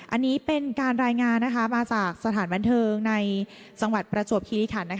อันนี้เป็นการรายงานมาจากสถานบันเทิงในจังหวัดประจวบคิริขัน